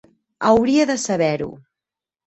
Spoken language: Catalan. Hauria de saber-ho.